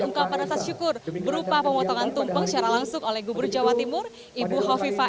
ungkapan rasa syukur berupa pemotongan tumpeng secara langsung oleh gubernur jawa timur ibu hovifa